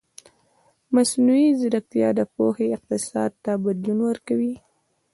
مصنوعي ځیرکتیا د پوهې اقتصاد ته بدلون ورکوي.